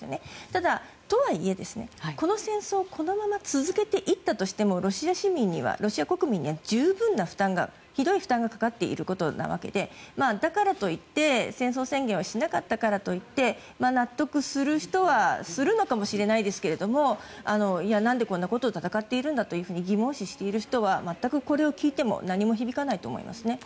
ただとはいえ、この戦争このまま続けていったとしてもロシア市民には、ロシア国民には十分な負担がひどい負担がかかっているわけでだからといって、戦争宣言はしなかったからといって納得する人はするのかもしれないですけどいや何でこんなことで戦っているんだと疑問視している人は全くこれを聞いても何も響かないと思います。